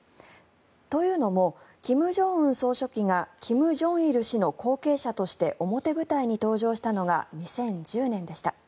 というのも金正恩総書記が金正日氏の後継者として表舞台に登場したのが２０１０年でした。